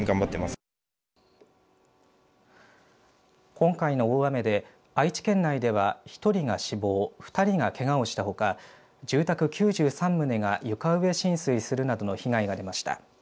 今回の大雨で愛知県内では１人が死亡２人がけがをしたほか住宅９３棟が床上浸水するなどの被害が出ました。